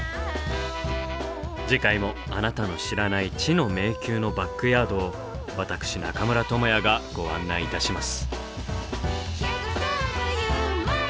次回もあなたの知らない「知の迷宮」のバックヤードを私中村倫也がご案内いたします。